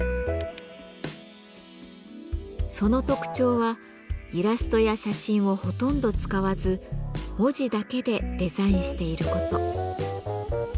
その特徴はイラストや写真をほとんど使わず文字だけでデザインしている事。